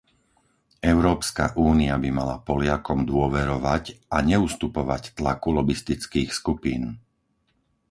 Európska únia by mala Poliakom dôverovať a neustupovať tlaku lobistických skupín.